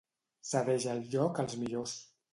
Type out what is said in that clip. Cedeix el lloc als millors.